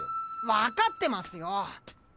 わかってますよ！